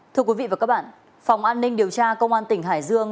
thưa quý vị và các bạn phòng an ninh điều tra công an tỉnh hải dương